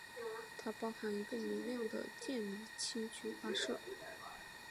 它包含一个明亮的电离氢区发射。